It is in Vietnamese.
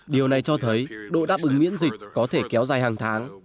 điều này cho thấy độ đáp ứng miễn dịch có thể kéo dài hàng tháng